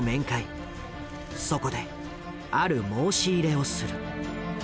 そこである申し入れをする。